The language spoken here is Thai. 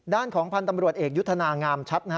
ด้านของพันธ์ตำรวจเอกยุทธนางามชัด